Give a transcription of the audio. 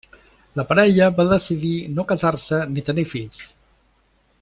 La parella va decidir no casar-se ni tenir fills.